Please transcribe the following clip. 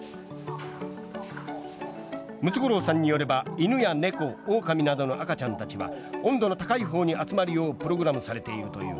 ムツゴロウさんによれば犬や猫オオカミなどの赤ちゃんたちは温度の高い方に集まるようプログラムされているという。